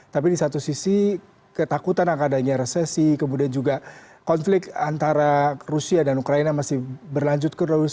tapi di satu sisi ketakutan akan adanya resesi kemudian juga konflik antara rusia dan ukraina masih berlanjut terus